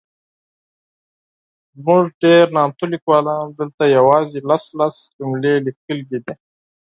زموږ ډېر نامتو لیکوالانو دلته یوازي لس ،لس جملې لیکلي دي.